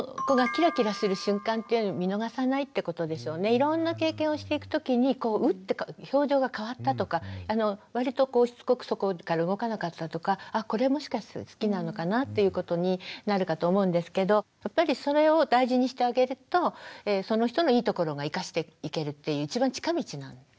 いろんな経験をしていくときにウッて表情が変わったとか割としつこくそこから動かなかったとかあこれはもしかすると好きなのかなっていうことになるかと思うんですけどやっぱりそれを大事にしてあげるとその人のいいところが生かしていけるっていう一番近道なんですよね。